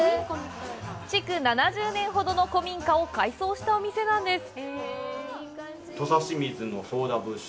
築７０年ほどの古民家を改装したお店なんです。